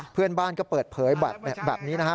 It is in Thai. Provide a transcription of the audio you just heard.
เพื่อนบ้านก็เปิดเผยแบบนี้นะฮะ